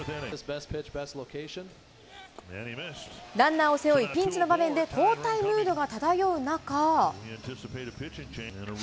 ランナーを背負い、ピンチの場面で交代ムードが漂う中。